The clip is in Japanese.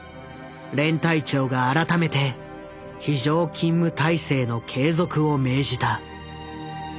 連隊長が改めて非常勤務態勢の継続を命じた。